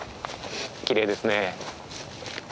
きれいですね。